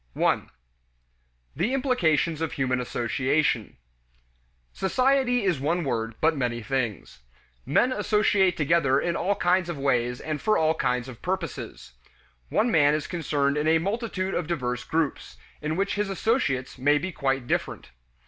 1. The Implications of Human Association. Society is one word, but many things. Men associate together in all kinds of ways and for all kinds of purposes. One man is concerned in a multitude of diverse groups, in which his associates may be quite different.